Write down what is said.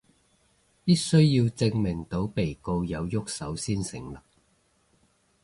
必須要證明到被告有郁手先成立